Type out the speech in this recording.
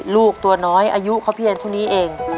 ลูกตัวน้อยอายุเขาเพียงเท่านี้เอง